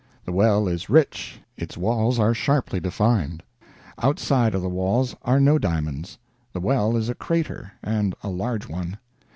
The well is rich, its walls are sharply defined; outside of the walls are no diamonds. The well is a crater, and a large one.